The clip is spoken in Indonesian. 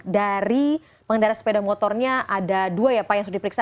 dari pengendara sepeda motornya ada dua ya pak yang sudah diperiksa